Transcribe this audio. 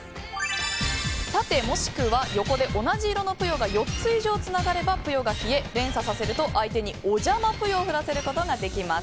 縦もしくは横で、同じ色のぷよが４つ以上つながればぷよが消え連鎖させると相手におじゃまぷよを降らせることができます。